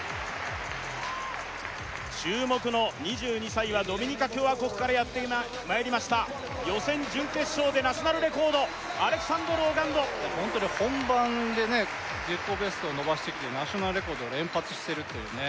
注目の２２歳はドミニカ共和国からやってまいりました予選準決勝でナショナルレコードアレクサンダー・オガンドホントに本番でね自己ベストを伸ばしてきてナショナルレコードを連発してるっていうね